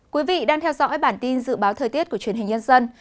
quý vị đang theo dõi bản tin dự báo thời tiết của truyền hình nhân dân